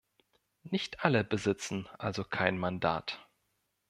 Nicht alle besitzen also kein Mandat.